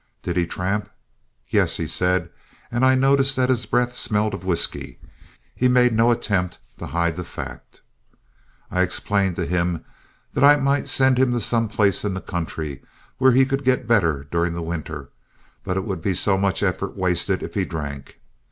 Did he tramp? Yes, he said, and I noticed that his breath smelled of whisky. He made no attempt to hide the fact. I explained to him that I might send him to some place in the country where he could get better during the winter, but that it would be so much effort wasted if he drank.